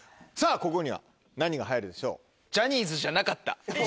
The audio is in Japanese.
ここには何が入るでしょう？